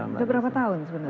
sudah berapa tahun sebenarnya